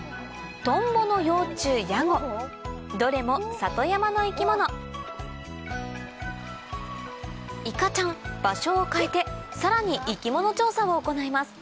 どれも里山の生き物いかちゃん場所を変えてさらに生き物調査を行います